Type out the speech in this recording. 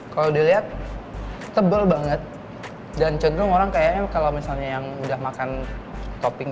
kalau dilihat tebal banget dan cenderung orang kayaknya kalau misalnya yang udah makan topping